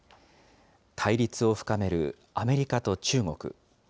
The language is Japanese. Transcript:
対立を深めるアメリカと中国。